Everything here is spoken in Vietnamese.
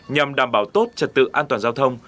nhằm đảm bảo tốt trật tự an toàn giao thông